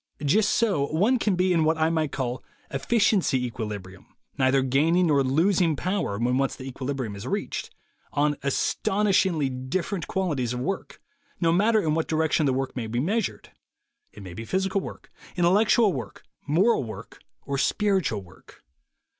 ... "Just so one can be in what I might call 'effic iency equilibrium' (neither gaining nor losing power when once the equilibrium is reached) on astonishingly different quantities of work, no matter in what direction the work may be measured. It may be physical work, intellectual work, moral work, or spiritual work.